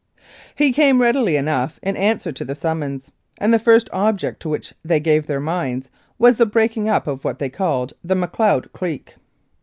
He came readily enough in answer to the summons, and the first object to which they gave their minds was the breaking up :>f what they called "the Macleod clique."